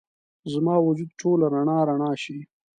زما وجود ټوله رڼا، رڼا شي